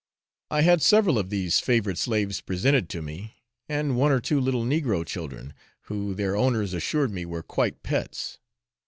I had several of these favourite slaves presented to me, and one or two little negro children, who their owners assured me were quite pets.